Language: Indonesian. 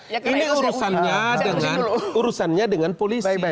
ini urusannya dengan polisi